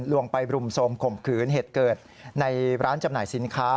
วงไปบรุมโทรมข่มขืนเหตุเกิดในร้านจำหน่ายสินค้า